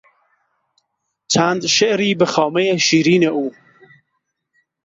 چند شعری به خامهی شیرین او